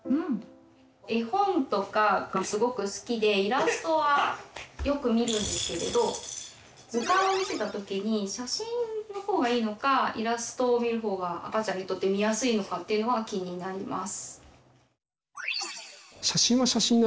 絵本とかがすごく好きでイラストはよく見るんですけれど図鑑を見せた時に写真の方がいいのかイラストを見る方が赤ちゃんにとって見やすいのかっていうのが気になります。